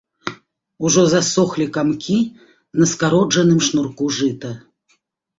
Ужо засохлі камкі на скароджаным шнурку жыта.